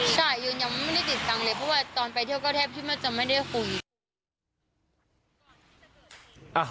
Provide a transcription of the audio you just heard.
ใช่ยืนยังไม่ได้ติดตังค์เลยเพราะว่าตอนไปเที่ยวก็แทบที่มันจะไม่ได้คุม